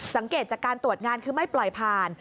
สังเกตจากการตรวจงานคือไม่ปล่อยผ่าน